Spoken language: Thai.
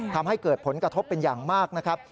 ทำให้เกิดผลกระทบเป็นอย่างมากนะครับ